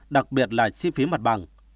đặc biệt là chi phí mặt bằng